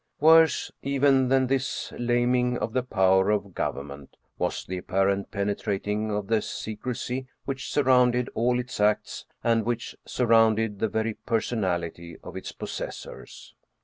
Worse even than this laming of the power of government was the apparent pene trating of the secrecy which surrounded all its acts and which surrounded the very personality of its possessors.